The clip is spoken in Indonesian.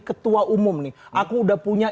ketua umum nih aku udah punya